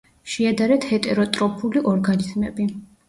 შეადარეთ ჰეტეროტროფული ორგანიზმები.